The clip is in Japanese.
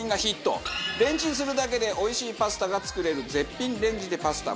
レンチンするだけでおいしいパスタが作れる絶品レンジでパスタ。